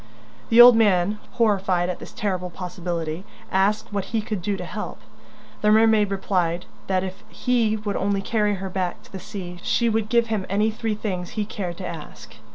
The old man, horrified at this terrible possibility, asked what he could do to help. The mermaid replied that if he would only carry her back to the sea, she would give him any three things he cared to ask.